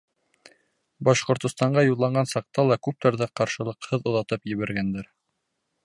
Башҡортостанға юлланған саҡта ла күптәрҙе ҡаршылыҡһыҙ оҙатып ебәргәндәр.